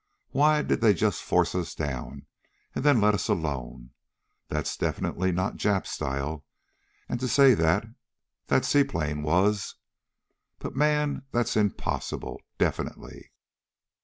Why did they just force us down, and then let us alone? That's definitely not Jap style. And to say that that seaplane was But, man! That's impossible! Definitely!"